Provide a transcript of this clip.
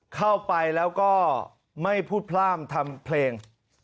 เข้าไปแล้วก็ไม่พูดพร่ามทำเพลง